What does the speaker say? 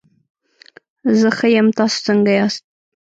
زه ښه یم، تاسو څنګه ياست؟